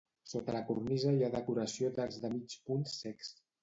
Sota la cornisa hi ha decoració d'arcs de mig punt cecs.